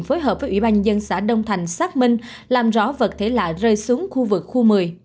phối hợp với ủy ban nhân dân xã đông thành xác minh làm rõ vật thể lạ rơi xuống khu vực khu một mươi